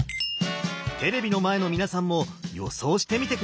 テレビの前の皆さんも予想してみて下さいね。